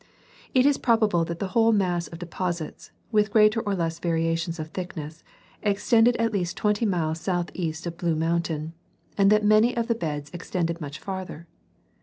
It is probable that the whole mass of deposits, with greater or less variations of thickness, extended at least twenty miles southeast of Blue Mountain, and that many of the beds extended much farther.